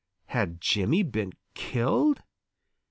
Had Jimmy been killed?